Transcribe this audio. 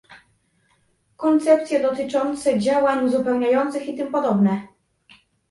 Koncepcje dotyczące działań uzupełniających i tym podobne